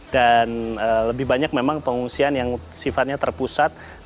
dan lebih banyak memang pengungsian yang sifatnya terpusat